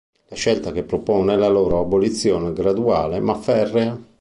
La scelta che propone è la loro abolizione, graduale ma ferrea.